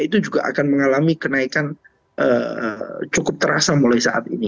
itu juga akan mengalami kenaikan cukup terasa mulai saat ini